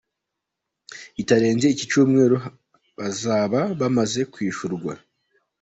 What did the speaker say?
bitarenze iki cyumweru bazaba bamaze kwishyurwa.